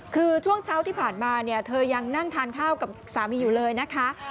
คือช่วงเช้าที่ผ่านมาเนี่ยเธอยังนั่งทานข้าวกับสามีอยู่เลยนะคะ